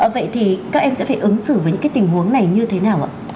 vậy thì các em sẽ phải ứng xử với những cái tình huống này như thế nào ạ